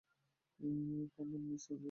Come on miss Anjali!